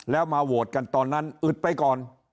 แล้วมาโหวตกันตอนนั้นอึดไปก่อน